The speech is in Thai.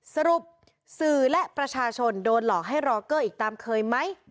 สรุปสื่อและประชาชนโดนหลอกให้รอเกอร์อีกตามเคยไหม